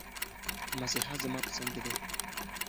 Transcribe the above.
مسیحا زما په څنګ کې دی.